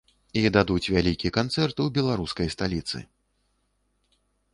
І дадуць вялікі канцэрт у беларускай сталіцы.